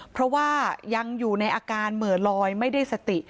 เพราะว่ายังอยู่ในอาการเหมือนลอยไม่ได้สติ